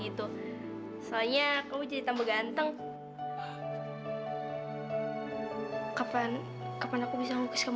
ini barang buktinya